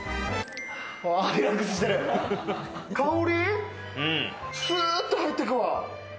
香り、スっと入ってくわ。